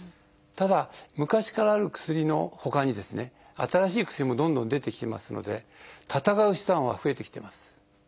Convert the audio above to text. ただ昔からある薬のほかに新しい薬もどんどん出てきてますので闘う手段は増えてきてます。